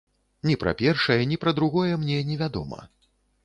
Ні пра першае, ні пра другое мне не вядома.